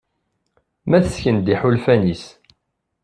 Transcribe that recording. Ma tesken-d iḥulfan-is.